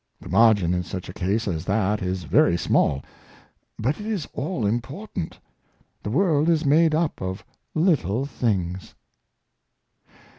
The margin in such a case as that is very small, but it is all important. The world is made up of little things."